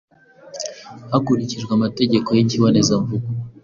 hakurikijwe amategeko y’ikibonezamvugo.